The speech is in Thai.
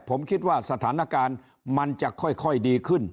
ผมคิดว่าสถานการณ์มันจะค่อยดีขึ้น